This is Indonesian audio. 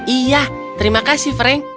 iya terima kasih frank